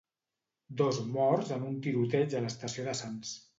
Dos morts en un tiroteig a l'estació de Sants.